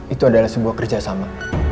itu adalah sebuah kerjasama